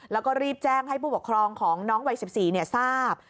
แล้วก็รีบแจ้งให้ผู้ปกครองของน้องวัย๑๔ทราบ